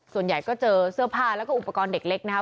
ส่วนใหญ่ก็เจอเสื้อผ้าแล้วก็อุปกรณ์เด็กเล็กนะครับ